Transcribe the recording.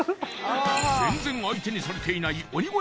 全然相手にされていない鬼越